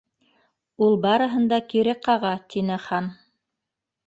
—Ул барыһын да кире ҡаға, —тине Хан.